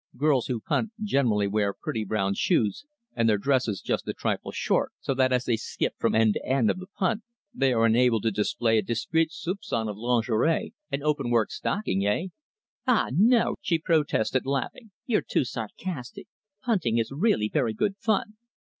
"Girls who punt generally wear pretty brown shoes, and their dresses just a trifle short, so that as they skip from end to end of the punt they are enabled to display a discreet soupcon of lingerie and open work stocking eh?" "Ah, no," she protested, laughing. "You're too sarcastic. Punting is really very good fun."